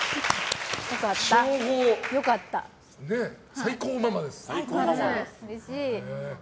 最高ママです。